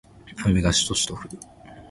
雨がしとしと降る